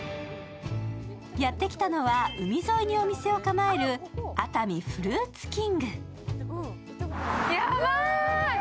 やってきたのは、海沿いにお店を構える熱海フルーツキング。